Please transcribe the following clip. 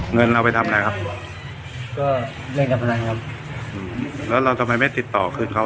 เงินเราไปทำอะไรครับก็เล่นการพนันครับอืมแล้วเราทำไมไม่ติดต่อคืนเขา